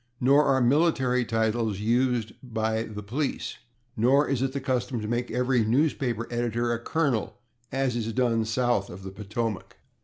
Nor are military titles used by the police. Nor is it the custom to make every newspaper editor a colonel, as is done south of the Potomac.